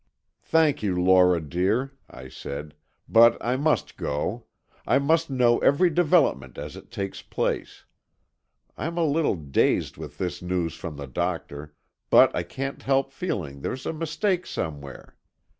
"Thank you, Lora, dear," I said, "but I must go. I must know every development as it takes place. I'm a little dazed with this news from the doctor, but I can't help feeling there's a mistake somewhere.